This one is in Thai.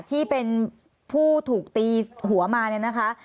ที่เป็นผู้ถูกตีหัวมาเนี่ยนะคะ